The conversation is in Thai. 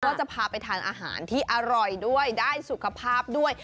ว่าจะพาไปทานอาหารที่อร่อยด้วยได้สุขภาพด้วย